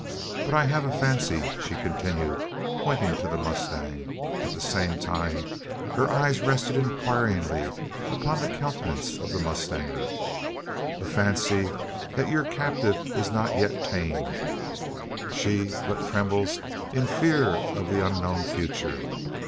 "But I have a fancy," she continued, pointing to the mustang at the same time that her eye rested inquiringly on the countenance of the mustanger "a fancy that your captive is not yet tamed? She but trembles in fear of the unknown future.